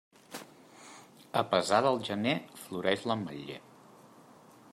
A pesar del gener floreix l'ametller.